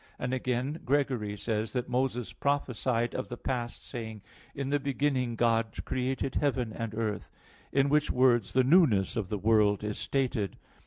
And again, Gregory says (Hom. i in Ezech.), that Moses prophesied of the past, saying, "In the beginning God created heaven and earth": in which words the newness of the world is stated.